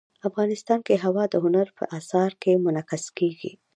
افغانستان کې هوا د هنر په اثار کې منعکس کېږي.